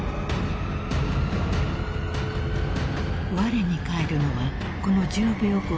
［われに返るのはこの１０秒後］